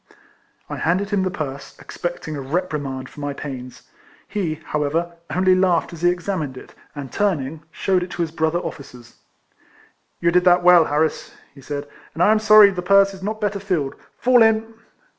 I handed him the purse, expecting a rep rimand for my pains. He, however, only laughed as he examined it, and, turning, shewed it to his brother officers. "You did that well, Harris," he said, "and I am sorry the purse is not better filled. Fall in."